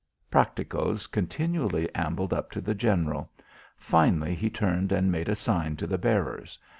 Practicos continually ambled up to the general. Finally he turned and made a sign to the bearers.